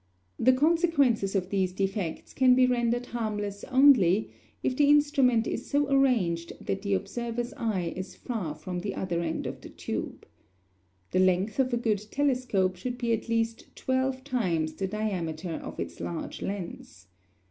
The consequences of these defects can be rendered harmless only if the instrument is so arranged that the observer's eye is far from the other end of the tube. The length of a good telescope should be at least twelve times the diameter of its large lens.